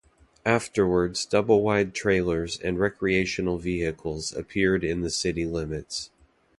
Afterwards doublewide trailers and recreational vehicles appeared in the city limits.